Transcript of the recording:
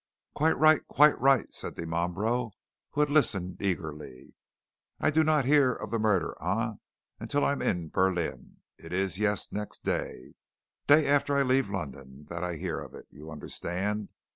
"Quite right, quite right!" said Dimambro, who had listened eagerly. "I do not hear of the murder, eh, until I am in Berlin it is, yes, next day day after I leave London that I hear of it, you understand?